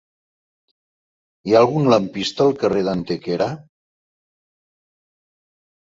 Hi ha algun lampista al carrer d'Antequera?